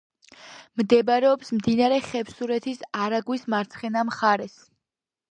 მდებარეობს მდინარე ხევსურეთის არაგვის მარცხენა მხარეს.